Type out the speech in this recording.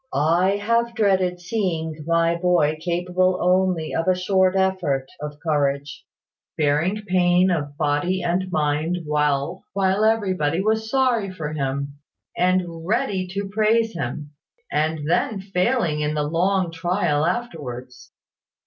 "I have dreaded seeing my boy capable only of a short effort of courage; bearing pain of body and mind well while everybody was sorry for him, and ready to praise him; and then failing in the long trial afterwards.